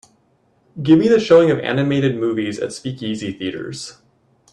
Give me the showing of animated movies at Speakeasy Theaters